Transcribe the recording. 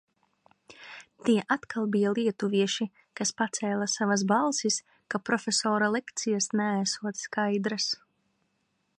Tie atkal bija lietuvieši, kas pacēla savas balsis, ka profesora lekcijas neesot skaidras.